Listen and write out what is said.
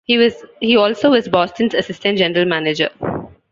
He also was Boston's assistant general manager.